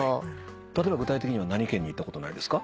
例えば具体的には何県に行ったことないですか？